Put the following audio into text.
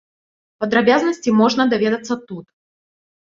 Падрабязнасці можна даведацца тут.